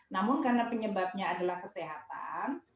namun karena penyebabnya adalah kesehatan